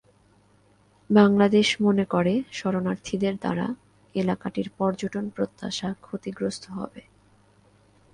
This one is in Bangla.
বাংলাদেশ মনে করে শরণার্থীদের দ্বারা এলাকাটির পর্যটন প্রত্যাশা ক্ষতিগ্রস্ত হবে।